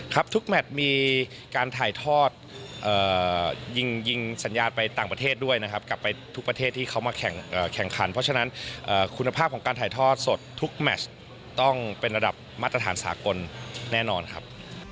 ทุกแมทมีการถ่ายทอดยิงสัญญาณไปต่างประเทศด้วยนะครับกลับไปทุกประเทศที่เขามาแข่งขันเพราะฉะนั้นคุณภาพของการถ่ายทอดสดทุกแมชต้องเป็นระดับมาตรฐานสากลแน่นอนครับ